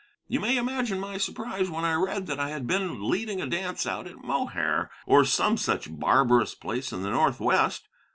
You may imagine my surprise when I read that I had been leading a dance out at Mohair, or some such barbarous place in the northwest.